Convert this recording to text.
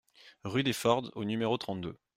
Rue des Fords au numéro trente-deux